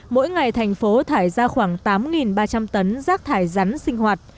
mỗi ngày thành phố thải ra khoảng tám ba trăm linh tấn rác thải rắn sinh hoạt